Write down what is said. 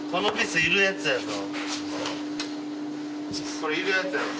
それいるやつやろ？